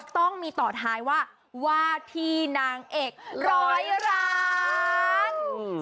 ต้องมีต่อท้ายว่าว่าที่นางเอกร้อยล้าน